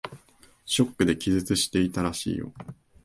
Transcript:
ショックで気絶していたらしいよ。